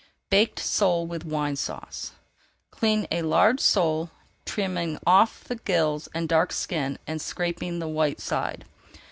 BAKED SOLE WITH WINE SAUCE Clean a large sole, trimming off the gills and dark skin and scraping the white side.